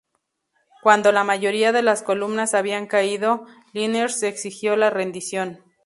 Cuando la mayoría de las columnas habían caído, Liniers exigió la rendición.